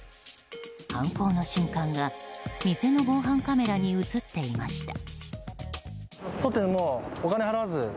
犯行の瞬間が店の防犯カメラに映っていました。